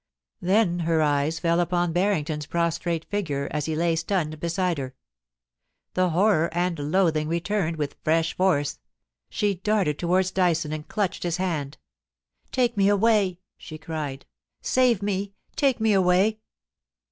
Then her eyes fell upon Barrington's prostrate figure as he lay stunned beside her. The horror and loathing returned with fresh force. She darted towards Dyson and clutched his hand. * Take me away !' she cried * Save me ! Take me away